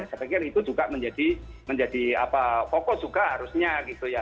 saya pikir itu juga menjadi fokus juga harusnya gitu ya